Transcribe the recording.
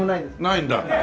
ないんだ。